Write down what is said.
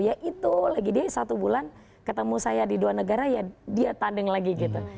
ya itu lagi dia satu bulan ketemu saya di dua negara ya dia tandeng lagi gitu